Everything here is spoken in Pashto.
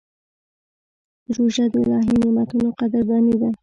روژه د الهي نعمتونو قدرداني ده.